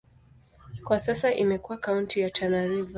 Kwa sasa imekuwa kaunti ya Tana River.